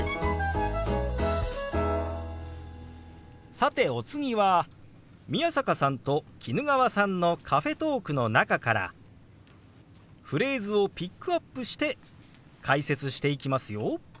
さてお次は宮坂さんと衣川さんのカフェトークの中からフレーズをピックアップして解説していきますよ。